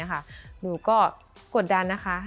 หนูก็กดดันนะคะ